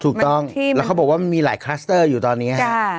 ถูกต้องแล้วเขาบอกว่ามันมีหลายคลัสเตอร์อยู่ตอนนี้ฮะ